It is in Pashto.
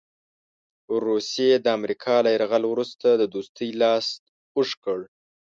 روسیې د امریکا له یرغل وروسته د دوستۍ لاس اوږد کړ.